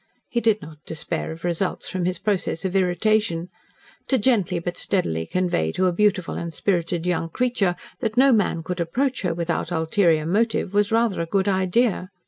He did not despair of results from his process of irritation. To gently but steadily convey to a beautiful and spirited young creature that no man could approach her without ulterior motive was rather a good idea.